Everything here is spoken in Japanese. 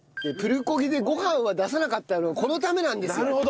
プルコギでご飯は出さなかったのはこのためなんですよ。